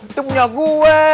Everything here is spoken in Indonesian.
itu punya gue